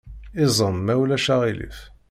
Iẓem, ma ulac aɣilif.